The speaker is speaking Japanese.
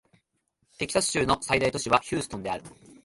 テキサス州の最大都市はヒューストンである